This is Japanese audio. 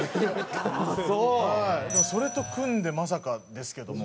でもそれと組んでまさかですけども。